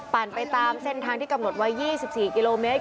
ไปตามเส้นทางที่กำหนดไว้๒๔กิโลเมตร